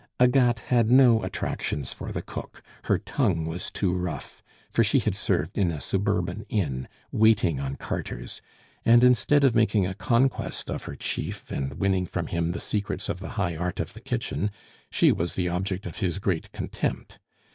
Agathe had no attractions for the cook, her tongue was too rough, for she had served in a suburban inn, waiting on carters; and instead of making a conquest of her chief and winning from him the secrets of the high art of the kitchen, she was the object of his great contempt.